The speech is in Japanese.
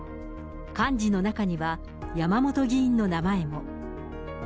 幹事の中には、山本議員の名前も。